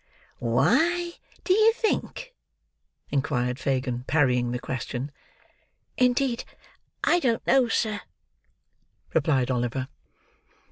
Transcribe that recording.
"Why, do you think?" inquired Fagin, parrying the question. "Indeed I don't know, sir," replied Oliver.